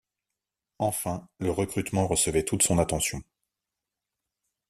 Enfin, le recrutement recevait toute son attention.